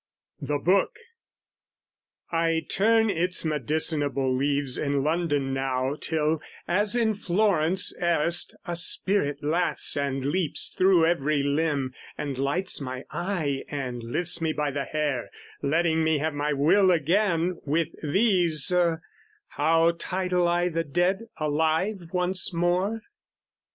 The Book! I turn its medicinable leaves In London now till, as in Florence erst, A spirit laughs and leaps through every limb, And lights my eye, and lifts me by the hair, Letting me have my will again with these How title I the dead alive once more?